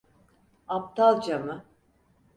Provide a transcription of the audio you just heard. Aptalca mı?